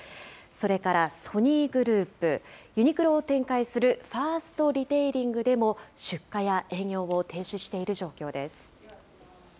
それからソニーグループ、ユニクロを展開するファーストリテイリングでも、出荷や営業を停止している状況です。